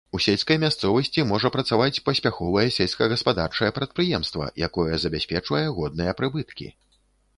У сельскай мясцовасці можа працаваць паспяховае сельскагаспадарчае прадпрыемства, якое забяспечвае годныя прыбыткі.